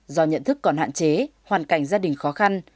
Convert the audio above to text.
do nhận thức còn hạn chế hoàn cảnh gia đình khó khăn